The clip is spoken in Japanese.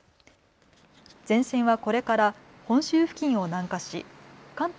前線はこれから本州付近を南下し関東